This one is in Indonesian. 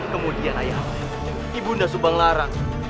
kemudian ayah anda di bunda subang larang